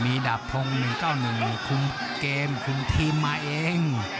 มีดาบพรม๑๙๑ขุมเกรมขุมทีมมาเอ่ง